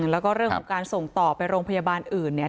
แล้วก็เรื่องของการส่งต่อไปโรงพยาบาลอื่นเนี่ย